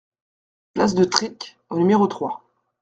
Place de Trzic au numéro trois